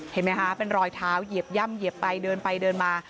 เห็นไหมคะเป็นรอยเท้าเหยียบย่ำเหยียบไปเดินไปเดินมา